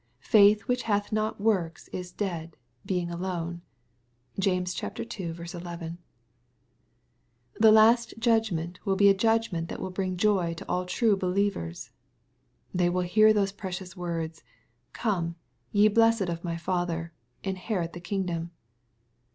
Faith which hath not works is dead, being alone. (James ii. 11.) The last judgment will be a judgment that will bring joy to all true believers, j They will hear those precious words, " Come, ye blessed of my Father, inherit the kingdom."